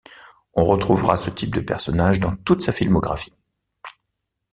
On retrouvera ce type de personnages dans toute sa filmographie.